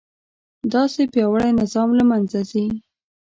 داسې پیاوړی نظام له منځه ځي.